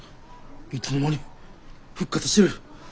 いつの間に復活してる！